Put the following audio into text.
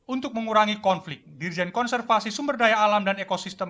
untuk mengurangi konflik dirjen konservasi sumberdaya alam dan ekosistem